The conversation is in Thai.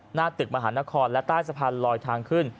หน้าตึกมหานครและใต้สะพานลอยทางขึ้น